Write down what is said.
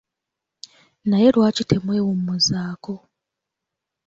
Naye lwaki temwewummuzaako.